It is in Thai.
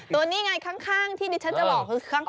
ตัวนี้ไงข้างที่ดิฉันจะบอกคือข้าง